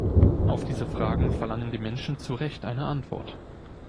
Auf diese Fragen verlangen die Menschen zu Recht eine Antwort.